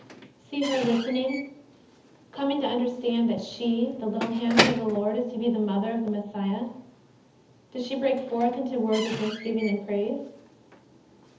See her listening, coming to understand that she, the little handmaid of the Lord, is to be the Mother of the Messiah. Does she break forth into words of thanks giving and praise